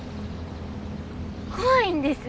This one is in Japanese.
怖いんです。